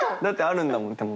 だってあるんだもん